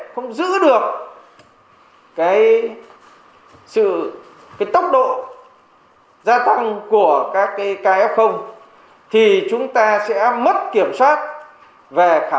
không giữ được cái sự cái tốc độ gia tăng của các cái ca f thì chúng ta sẽ mất kiểm soát về khả